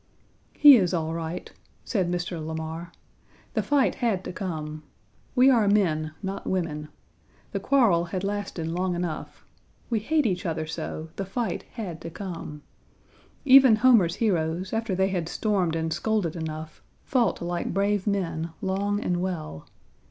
"He is all right," said Mr. Lamar, "the fight had to come. We are men, not women. The quarrel had lasted long enough. We hate each other so, the fight had to come. Even Homer's heroes, after they had stormed and scolded enough, fought like brave men, long and well.